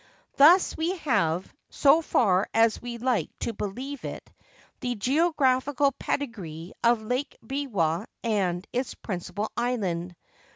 Thus we have (so far as we like to believe it) the geographical pedigree of Lake Biwa and its principal island.